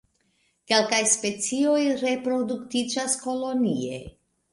Kelkaj specioj reproduktiĝas kolonie.